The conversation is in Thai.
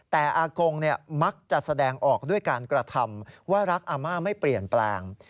แต่อากงมักจะแสดงออกด้วยการกระทำว่ารักอาม่าไม่เปลี่ยนแปลง